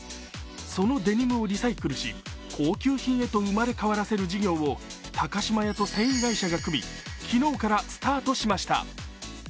そのデニムをリサイクルし高級品へと生まれ変わらせる事業を高島屋と繊維会社が組み昨日からスタートしました。